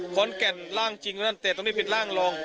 ข้อนแก่นร่างจริงตรงนั้นแต่ตรงนี้เป็นร่างรอง